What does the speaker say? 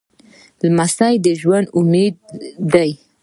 لمسی د ژوند امید دی.